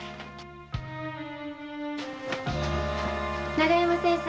永山先生